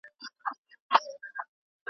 مضمون د شعر لکه پیکر دی ,